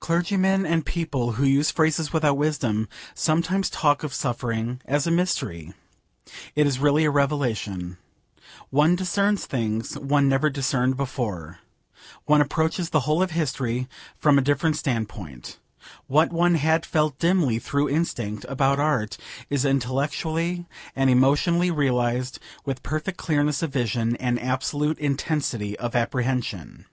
Clergymen and people who use phrases without wisdom sometimes talk of suffering as a mystery. It is really a revelation. One discerns things one never discerned before. One approaches the whole of history from a different standpoint. What one had felt dimly, through instinct, about art, is intellectually and emotionally realised with perfect clearness of vision and absolute intensity of apprehension.